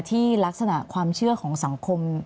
ที่ลักษณะความเชื่อของสังคม